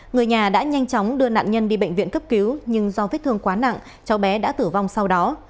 người nhà đã nhanh chóng đưa nạn nhân đi bệnh viện cấp cứu nhưng do vết thương quá nặng cháu bé đã tử vong sau đó